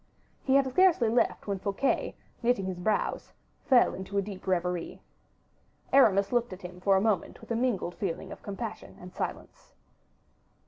He had scarcely left when Fouquet, knitting his brows, fell into a deep reverie. Aramis looked at him for a moment with a mingled feeling of compassion and silence.